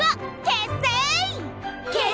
結成！